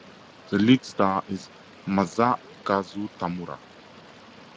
The lead star is Masakazu Tamura.